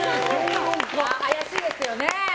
怪しいですよね。